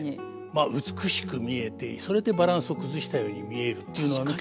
まあ美しく見えてそれでバランスを崩したように見えるっていうのは。